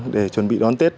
để chuẩn bị đảo đèn long châu